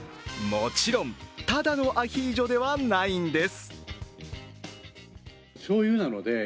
もちろん、ただのアヒージョではないんです。